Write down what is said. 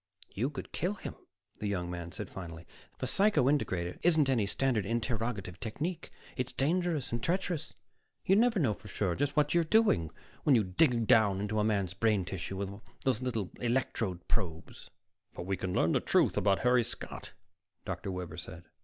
"You could kill him," the young man said finally. "The psycho integrator isn't any standard interrogative technique; it's dangerous and treacherous. You never know for sure just what you're doing when you dig down into a man's brain tissue with those little electrode probes." "But we can learn the truth about Harry Scott," Dr. Webber broke in.